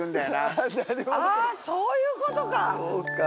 あぁそういうことか。